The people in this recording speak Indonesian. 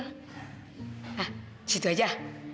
hah situ aja